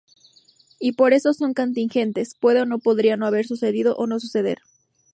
Y por esto son "contingentes": pueden o podrían no haber sucedido o no suceder.